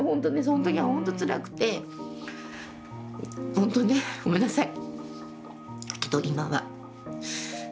本当ねごめんなさい。